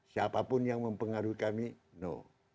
siapapun yang mempengaruhi kami no